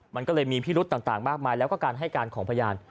มันก็เลยมีพิรุธต่างมากมายแล้วก็การให้การของพยาน